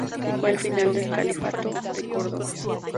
Fue el final del Califato de Córdoba.